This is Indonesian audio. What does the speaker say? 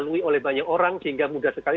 lalui oleh banyak orang sehingga mudah sekali